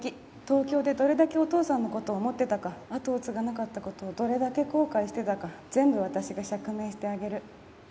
東京でどれだけお父さんの事を思ってたか跡を継がなかった事をどれだけ後悔してたか全部私が釈明してあげる。